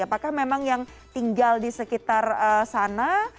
apakah memang yang tinggal di sekitar sana